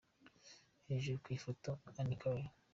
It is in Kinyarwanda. Hejuru ku ifoto : Annie Carrie.